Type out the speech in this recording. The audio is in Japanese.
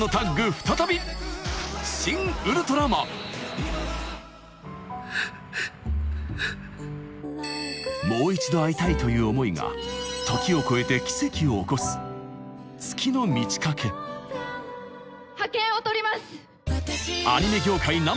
再び『シン・ウルトラマン』という想いが時を超えて奇跡を起こす『月の満ち欠け』覇権を取ります！